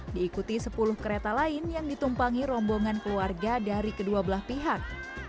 diikuti sepuluh kereta lain yang ditumpangi rombongan keluarga dari kedua belah pihak